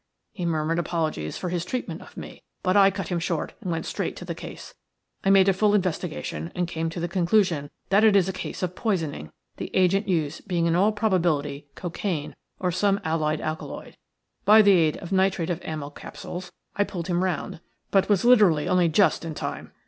He murmured apologies for his treatment of me, but I cut him short and went straight to the case. I made a full investigation, and came to the conclusion that it is a case of poisoning, the agent used being in all probability cocaine, or some allied alkaloid. By the aid of nitrate of amyl capsules I pulled him round, but was literally only just in time.